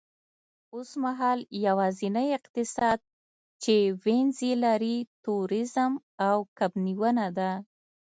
اوسمهال یوازینی اقتصاد چې وینز یې لري، تورېزم او کب نیونه ده